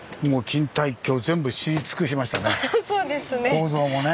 構造もね。